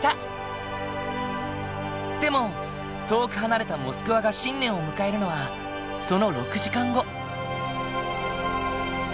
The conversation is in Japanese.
でも遠く離れたモスクワが新年を迎えるのはその６時間後。